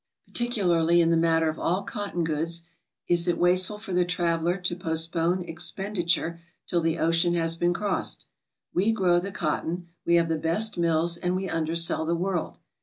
Particularly in the matter of all cotton goods is it waste ful for the traveler to postpone expenditure till the ocean has been crossed. We grow the cotton, we have the best mills, and we undersell the world.